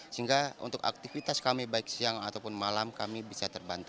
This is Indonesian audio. sehingga untuk aktivitas kami baik siang ataupun malam kami bisa terbantu